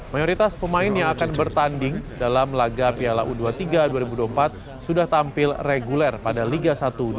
mayoritas pemain yang akan bertanding dalam laga piala u dua puluh tiga dua ribu dua puluh empat sudah tampil reguler pada liga satu dua ribu dua puluh